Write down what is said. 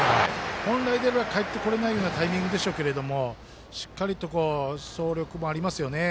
本来であればかえってこれないようなタイミングでしょうけどしっかりと走力もありますよね。